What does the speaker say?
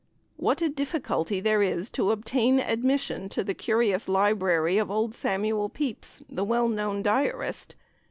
What a difficulty there is to obtain admission to the curious library of old Samuel Pepys, the well known diarist.